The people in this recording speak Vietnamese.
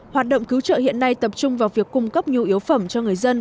hoạt động cứu trợ hiện nay tập trung vào việc cung cấp nhu yếu phẩm cho người dân